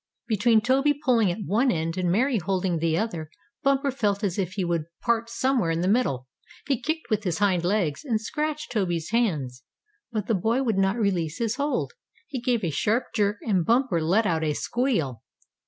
Between Toby pulling at one end, and Mary holding the other, Bumper felt as if he would part somewhere in the middle. He kicked with his hind legs, and scratched Toby's hands, but the boy would not release his hold. He gave a sharp jerk, and Bumper let out a squeal.